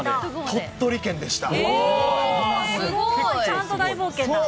鳥取県でした。